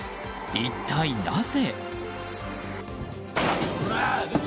一体なぜ。